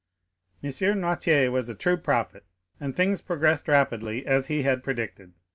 Noirtier was a true prophet, and things progressed rapidly, as he had predicted.